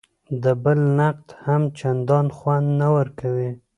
د بل نقد هم چندان خوند نه ورکوي.